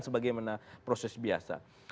sebagaimana proses biasa